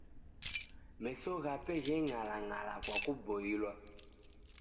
Meso ghape gheng'alang'ala kwa kuboilwa.